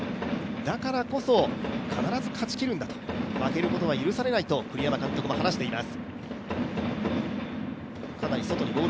だからこそ必ず勝ちきるんだと、負けることは許されないと栗山監督も話しています。